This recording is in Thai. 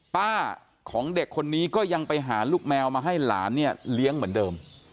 ป้าของเด็กคนนี้ก็ยังไปหาลูกแมวมาให้หลานเนี่ยเลี้ยงเหมือนเดิม